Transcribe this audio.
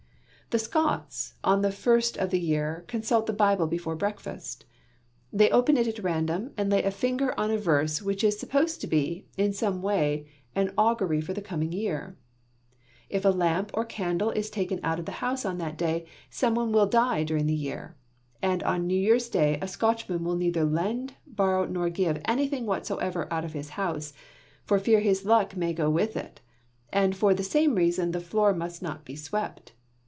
The Scots on the first of the year consult the Bible before breakfast. They open it at random and lay a finger on a verse which is supposed to be, in some way, an augury for the coming year. If a lamp or a candle is taken out of the house on that day, some one will die during the year, and on New Year's day a Scotchman will neither lend, borrow nor give anything whatsoever out of his house, for fear his luck may go with it, and for the same reason the floor must not be swept.